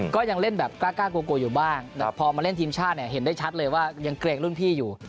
ก็ยังเล่นแบบกล้ากลัวอยู่บ้างแต่พอมาเล่นทีมชาติเนี่ยเห็นได้ชัดเลยว่ายังเกรงรุ่นพี่อยู่